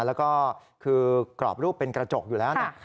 แล้วก็คือกรอบรูปเป็นกระจกอยู่แล้วนะ